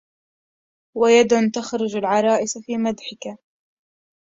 ويد تخرج العرائس في مدحك